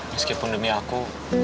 meskipun demi aku